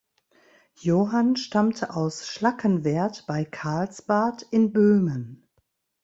Johann stammte aus Schlackenwerth bei Karlsbad in Böhmen.